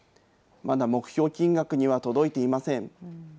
まだ目標金額には届いていません。